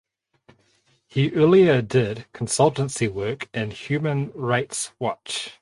He earlier did consultancy work in Human Rights Watch.